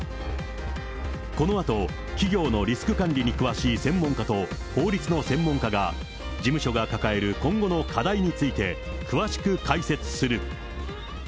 このあと、企業のリスク管理に詳しい専門家と法律の専門家が、事務所が抱える今後の課題について、詳しく解説する。